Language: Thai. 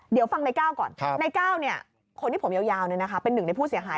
เดี๋ยวฟังในก้าวก่อนในก้าวคนที่ผมยาวเป็นหนึ่งในผู้เสียหาย